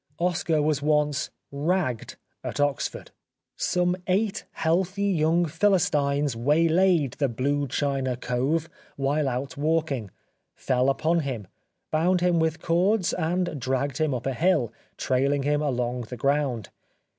Oscar was once " ragged " at Oxford. Some eight healthy young Philistines waylaid the " blue china cove " while out walking, fell upon him, bound him with cords and dragged him up a hill, trailing him along the ground.